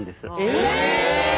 え